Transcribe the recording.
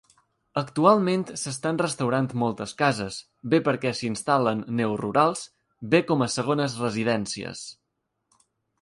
Actualment s'estan restaurant moltes cases, bé perquè s'hi instal·len neorurals, bé com a segones residències.